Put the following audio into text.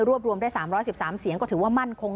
รวมได้๓๑๓เสียงก็ถือว่ามั่นคง